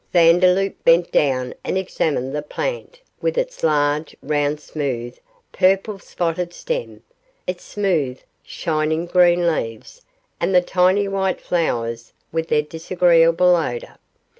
Vandeloup bent down and examined the plant, with its large, round, smooth, purple spotted stem its smooth, shining green leaves, and the tiny white flowers with their disagreeable odour.